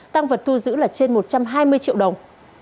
tăng vật thu giữ là trên một trăm hai mươi triệu đồng